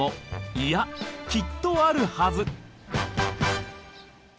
いやきっとあるはず！